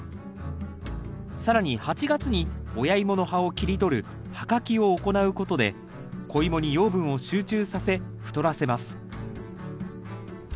更に８月に親イモの葉を切り取る葉かきを行うことで子イモに養分を集中させ太らせます。